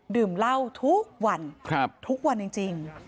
ดื่มเหล้าทุกวันทุกวันจริง